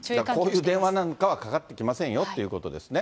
こういう電話なんかはかかってきませんよということですね。